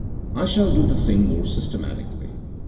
I shall do the thing more systematically.